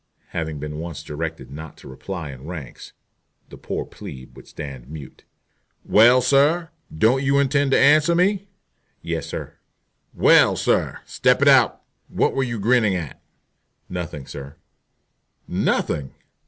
Having been once directed not to reply in ranks, the poor "plebe" would stand mute. "Well, sir, don't you intend to answer me?" "Yes, sir." "Well, sir, step it out. What were you grinning at?" "Nothing, sir." "Nothing!